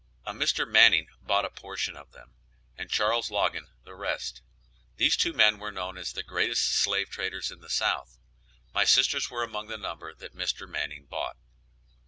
A Mr. Manning bought a portion of them, and Charles Login the rest. These two men were known as the greatest slave traders in the South. My sisters were among the number that Mr. Manning bought.